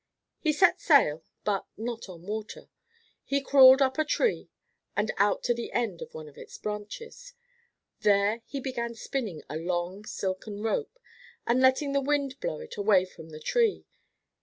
He set sail, but not on water. He crawled up a tree, and out to the end of one of its branches. There he began spinning a long silken rope, and letting the wind blow it away from the tree.